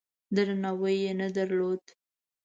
درناوی یې نه درلود.